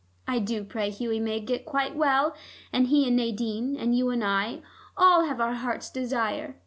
I do pray Hughie may get quite well, and he and Nadine, and you and I all have our heart's desire.